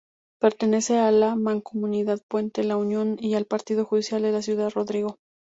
Pertenece a la Mancomunidad Puente La Unión y al partido judicial de Ciudad Rodrigo.